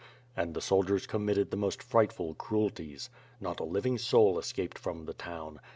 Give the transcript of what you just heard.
And the soldiers committed the most frightful cruelties. Not a living soul escaped from the town.